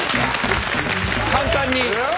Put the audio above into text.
簡単に。